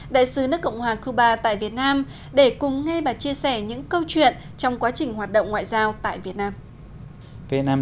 đại sứ nước cộng hòa cuba tại việt nam để cùng nghe bà chia sẻ những câu chuyện